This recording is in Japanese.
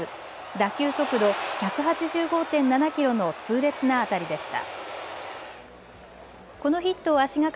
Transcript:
打球速度１８５．７キロの痛烈な当たりでした。